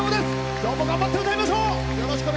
今日も頑張って歌いましょう。